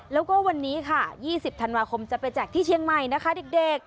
แล้วก็วันนี้ค่ะ๒๐ธันวาคมจะไปแจกที่เชียงใหม่นะคะเด็ก